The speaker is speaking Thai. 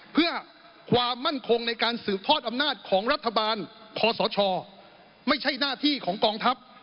เพื่อความมั่นคงในการสืบทอดอำนาจของรัฐบาลคอสชไม่ใช่หน้าที่ของกองทัพ